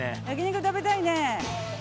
焼肉食べたいね。